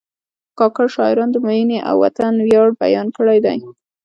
کاکړ شاعرانو د مینې او وطن ویاړ بیان کړی دی.